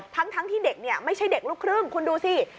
ทั้งที่เด็กไม่ใช่เด็กลูกครึ่งคุณดูสิ